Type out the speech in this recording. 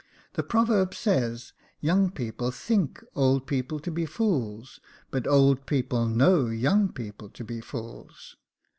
The proverb says, ' Young people think old people to be fools, but old people knoiv young people to be fools.'